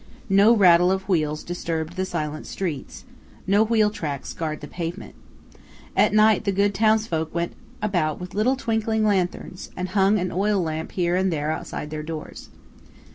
No rattle of wheels disturbed the silent streets; no wheel tracks scarred the pavement. At night, the good townsfolk went about with little twinkling lanthorns, and hung an oil lamp here and there outside their doors.